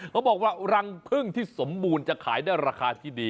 เขาบอกว่ารังพึ่งที่สมบูรณ์จะขายได้ราคาที่ดี